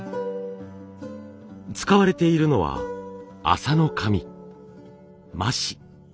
使われているのは麻の紙麻紙。